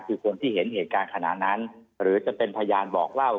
คือคนที่เห็นเหตุการณ์ขณะนั้นหรือจะเป็นพยานบอกเล่า